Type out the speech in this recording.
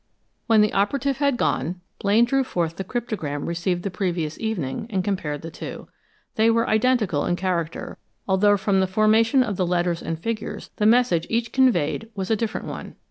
When the operative had gone, Blaine drew forth the cryptogram received the previous evening and compared the two. They were identical in character, although from the formation of the letters and figures, the message each conveyed was a different one.